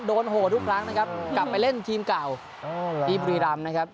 โดนโหทุกครั้งกลับไปเล่นทีมเก่าอีบรีรำนะครับ